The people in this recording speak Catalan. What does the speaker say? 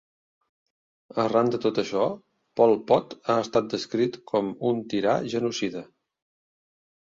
Arran de tot això, Pol Pot ha estat descrit com "un tirà genocida".